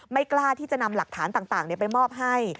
กล้าที่จะนำหลักฐานต่างไปมอบให้